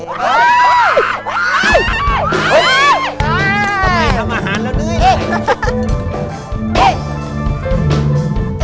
ทำไมทำอาหารแล้วด้วย